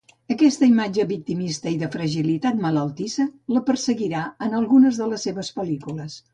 Aquesta imatge victimista i de fragilitat malaltissa la perseguirà en algunes de les seves pel·lícules.